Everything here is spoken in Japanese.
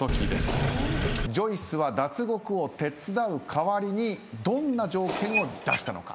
ジョイスは脱獄を手伝う代わりにどんな条件を出したのか？